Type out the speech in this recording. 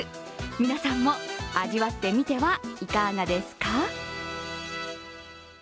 皆さんも味わってみてはいかがですか？